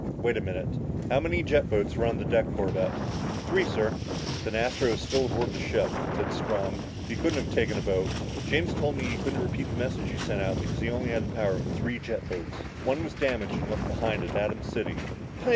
"Wait a minute! How many jet boats were on the deck, Corbett?" "Three, sir." "Then Astro is still aboard the ship," said Strong. "He couldn't have taken a boat. James told me he couldn't repeat the message he sent out because he only had the power of three jet boats. One was damaged and left behind at Atom City!"